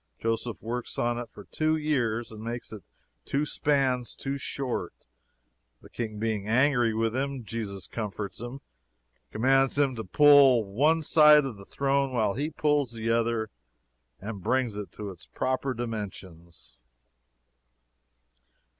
Joseph works on it for two years and makes it two spans too short. The King being angry with him, Jesus comforts him commands him to pull one side of the throne while he pulls the other, and brings it to its proper dimensions.